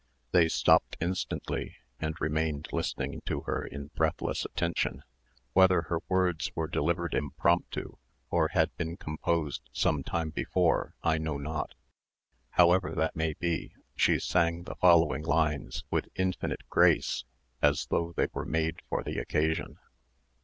They stopped instantly, and remained listening to her in breathless attention. Whether her words were delivered impromptu, or had been composed some time before, I know not; however that may be, she sang the following lines with infinite grace, as though they were made for the occasion.